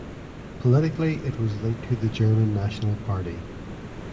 Politically it was linked to the German National Party.